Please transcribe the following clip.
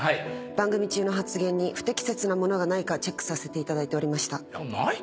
番組中の発言に不適切なものがないかチェックさせていただいておりました。